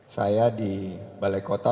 saya di balai kota